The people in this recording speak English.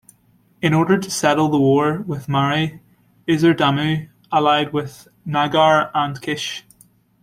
In order to settle the war with Mari, Isar-Damu allied with Nagar and Kish.